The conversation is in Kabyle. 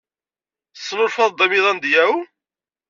Tesnulfaḍ-d amiḍan deg Yahoo?